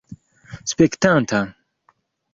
spektanta